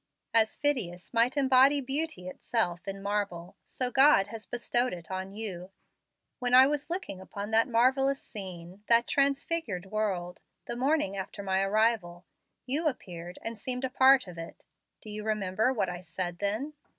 As Phidias might embody beauty itself in marble, so God has bestowed it on you. When I was looking upon that marvellous scene that transfigured world the morning after my arrival, you appeared and seemed a part of it. Do you remember what I said then?